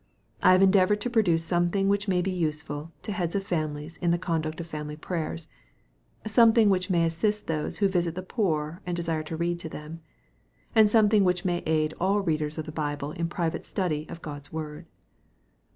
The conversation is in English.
I have endeavored to produce something which may be useful to heads of families in the conduct of family prayers something which may assist those who visit the poor and desire to read to them and something which may aid ah 1 readers of the Bible in the private study of God's word.